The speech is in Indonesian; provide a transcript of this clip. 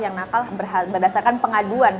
yang nakal berdasarkan pengaduan